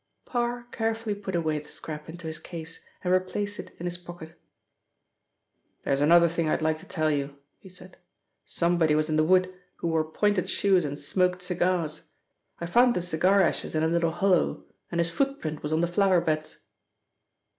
Parr carefully put away the scrap into his case and replaced it in his pocket. "There is another thing I'd like to tell you," he said. "Somebody was in the wood who wore pointed shoes and smoked cigars. I found the cigar ashes in a little hollow, and his footprint was on the flower beds."